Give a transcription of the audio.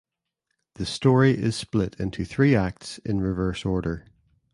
The story is split into three acts in reverse order.